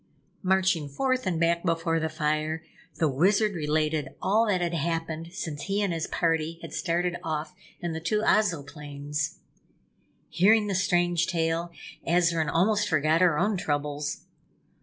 Marching forth and back before the fire, the Wizard related all that had happened since he and his party had started off in the two Ozoplanes. Hearing the strange tale, Azarine almost forgot her own troubles.